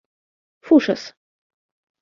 fuŝas